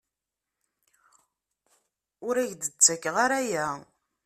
Ur ak-d-ttakeɣ ara aya.